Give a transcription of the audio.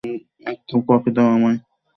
এক cup coffee দাও আমায়।